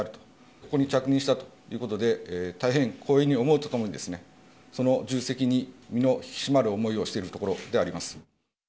ここに着任したということで、大変光栄に思うとともに、その重責に身の引き締まる思いをしているところであります。